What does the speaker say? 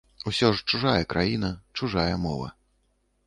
Усё ж чужая краіна, чужая мова.